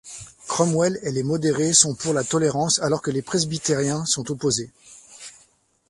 Cromwell et les modérés sont pour la tolérance alors que les presbytériens sont opposés.